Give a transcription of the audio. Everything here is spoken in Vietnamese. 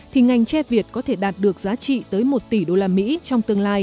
thì ngành tre việt có thể đạt được giá trị tới một tỷ usd